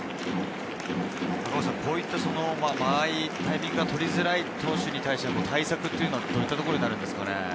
こういった間合い、タイミングが取りづらい投手に対して対策はどういったところになるんですか。